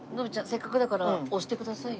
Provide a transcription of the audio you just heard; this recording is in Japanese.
せっかくだから押してくださいよ。